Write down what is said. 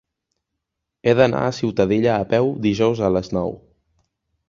He d'anar a Ciutadilla a peu dijous a les nou.